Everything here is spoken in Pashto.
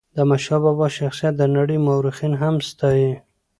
د احمد شاه بابا شخصیت د نړی مورخین هم ستایي.